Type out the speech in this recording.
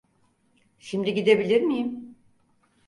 Şimdi gidebilir miyim?